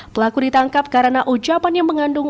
pelaku ditangkap karena ucapan yang mengandung